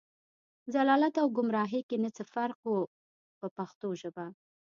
ضلالت او ګمراهۍ کې نه څه فرق و په پښتو ژبه.